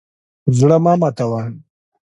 زړه مه ماتوه.